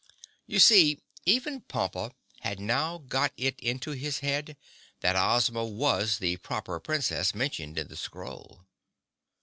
You see, even Pompa had now got it into his head that Ozma was the Proper Princess mentioned in the scroll.